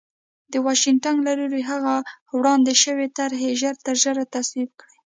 د واشنګټن له لوري هغه وړاندې شوې طرح ژرترژره تصویب کړي